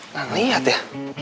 nah liat ya